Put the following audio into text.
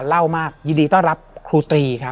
และวันนี้แขกรับเชิญที่จะมาเชิญที่เรา